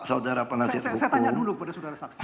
saudara penasihat hukum